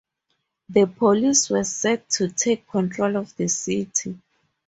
The police were set to take control of the city.